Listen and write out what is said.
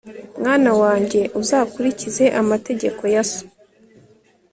mwana wanjye, uzakurikize amategeko ya so